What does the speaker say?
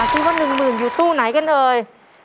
คิดว่า๑หมื่นอยู่ตู้ไหนกันเอ่ย